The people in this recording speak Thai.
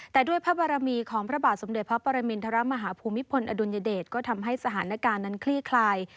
แต่ด้วยพระบารมีของพระบาทสมเด็จพระปรมินทรมาฮภูมิพลอดุลยเดชก็ทำให้สถานการณ์นั้นคลี่คลาย